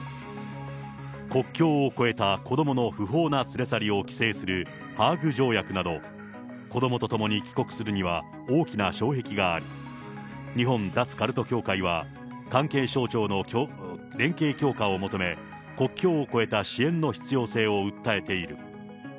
国境を越えた子どもの不法な連れ去りを規制するハーグ条約など、子どもと共に帰国するには大きな障壁があり、日本脱カルト協会は、関係省庁の連携強化を求め、国境を越えた支援の必要性を訴えている。